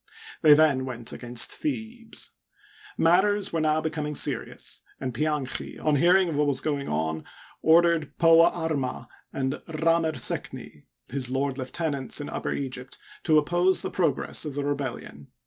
They then went against Thebes. Matters were now becoming seri ous, and Pianchi, on hearing of what was going on, ordered Pouarma and Rd mer sekni, his lord lieutenants in Upper Egypt to oppose the progress of the rebellion.